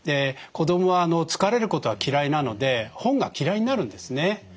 子どもは疲れることは嫌いなので本が嫌いになるんですね。